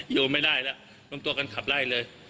โยมไม่ได้แล้วรวมตัวกันขับไล่เลย